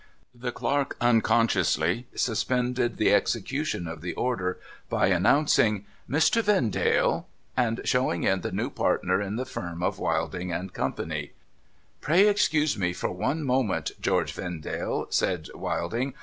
The clerk unconsciously suspended the execution of the order, by announcing ' Mr. Vendale,' and showing in the new partner in •the firm of Wilding and Co. ' Pray excuse me for one moment, George Vendale,' said Wilding.